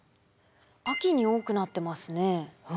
秋に多くなってますね。